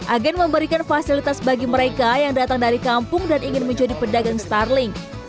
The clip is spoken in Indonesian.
agen memberikan fasilitas bagi mereka yang datang dari kampung dan ingin menjadi pedagang starling